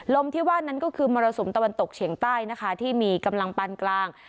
ที่ว่านั้นก็คือมรสุมตะวันตกเฉียงใต้นะคะที่มีกำลังปานกลาง